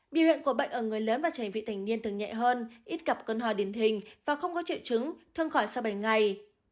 biểu hiện của bệnh ở người lớn và trẻ vị thành niên thường nhẹ hơn ít gặp cơn hò điển hình và không có triệu chứng thương khỏi sau bảy ngày